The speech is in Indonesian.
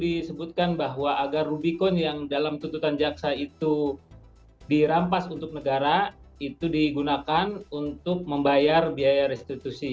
disebutkan bahwa agar rubicon yang dalam tuntutan jaksa itu dirampas untuk negara itu digunakan untuk membayar biaya restitusi